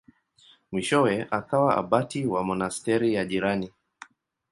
Mwishowe akawa abati wa monasteri ya jirani.